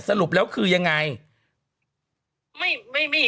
สรุปแล้วคือยังไง